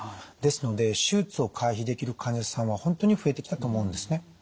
ですので手術を回避できる患者さんは本当に増えてきたと思うんですね。